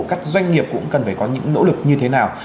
các doanh nghiệp cũng cần phải có những nỗ lực như thế nào